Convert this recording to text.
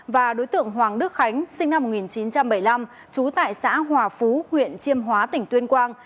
và đối tượng hoàng đức khánh sinh năm một nghìn chín trăm bảy mươi năm trú tại xã hòa phú huyện chiêm hóa tỉnh tuyên quang